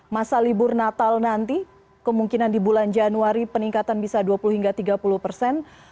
masa libur natal nanti kemungkinan di bulan januari peningkatan bisa dua puluh hingga tiga puluh persen